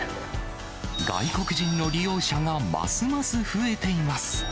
外国人の利用者がますます増えています。